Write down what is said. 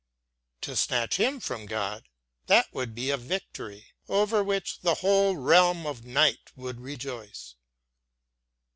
To snatch him from God that would be a victory, over which the whole realm of night would rejoice.